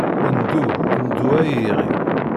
Ndu, ndu ay iɣi.